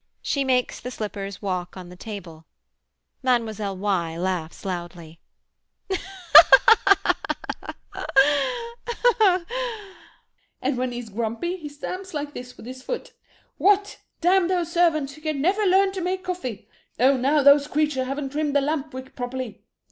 [She makes the slippers walk on the table. Mlle. Y. laughs loudly.] And when he is grumpy he stamps like this with his foot. "What! damn those servants who can never learn to make coffee. Oh, now those creatures haven't trimmed the lamp wick properly!"